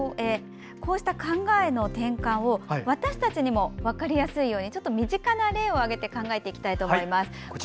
こうした考えの転換を私たちにも分かりやすいようにちょっと身近な例を挙げて考えていきたいと思います。